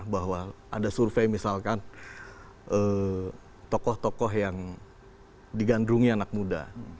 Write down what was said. bahwa ada survei misalkan tokoh tokoh yang digandrungi anak muda